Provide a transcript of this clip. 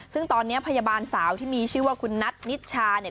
ซึ่งตอนนี้พยาบาลสาวที่มีชื่อว่าคุณนัทนิชชาเนี่ย